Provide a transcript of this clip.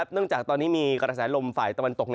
เนื่องจากตอนนี้มีกระแสลมฝ่ายตะวันตก